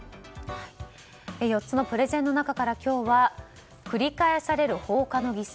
４つのプレゼンの中から今日は繰り返される放火の犠牲